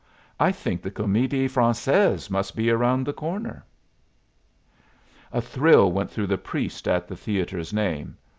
"I think the Comedie Francaise must be round the corner." A thrill went through the priest at the theatre's name.